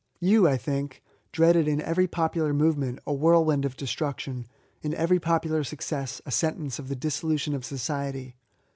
You, I think, dreaded in every popular movement a whirlwind of destruc tion — ^in every popular success a sentence of the dissolution of society.